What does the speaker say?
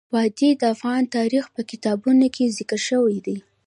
وادي د افغان تاریخ په کتابونو کې ذکر شوی دي.